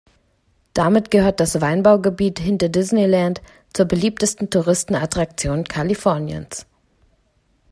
Damit gehört das Weinbaugebiet hinter Disneyland zur beliebtesten Touristenattraktion Kaliforniens.